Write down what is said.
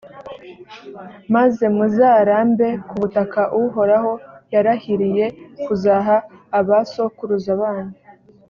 maze muzarambe ku butaka uhoraho yarahiriye kuzaha abasokuruza banyu